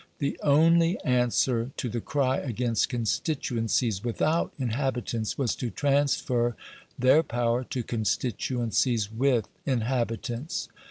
The only answer to the cry against constituencies WITHOUT inhabitants was to transfer their power to constituencies WITH inhabitants.